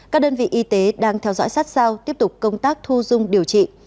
các đơn vị y tế đang theo dõi sát sao tiếp tục công tác thu dung điều trị